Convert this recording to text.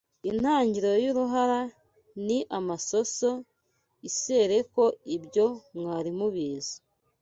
Itangiriro y'uruhara ni amasoso isereko ibyo mwar mubizi